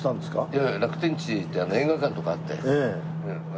いやいや楽天地って映画館とかあって。